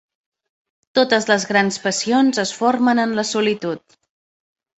Totes les grans passions es formen en la solitud.